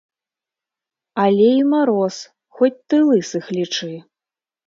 Але і мароз, хоць ты лысых лічы!